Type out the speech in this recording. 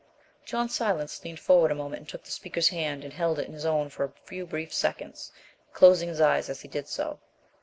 John Silence leaned forward a moment and took the speaker's hand and held it in his own for a few brief seconds, closing his eyes as he did so.